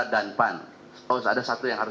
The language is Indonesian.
dan pan oh ada satu yang harus